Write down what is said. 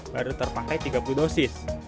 baru terpakai tiga puluh dosis